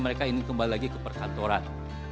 mereka ingin kembali lagi ke perkantoran